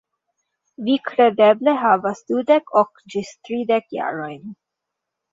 Vi kredeble havas dudek ok ĝis tridek jarojn.